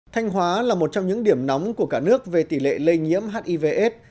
thanh hóa là một trong những điểm nóng của cả nước về tỷ lệ lây nhiễm hivs